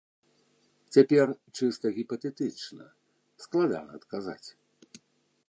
Цяпер, чыста гіпатэтычна, складана адказаць.